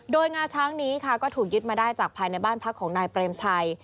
โดยงาช้างนี้ค่ะก็ถูกยึดมาได้จากภายในบ้านพักของนายเปรมชัย